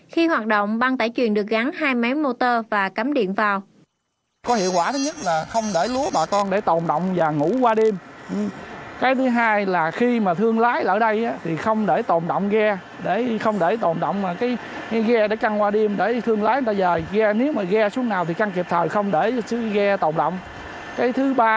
khi hoạt động băng tải chuyển được gắn hai máy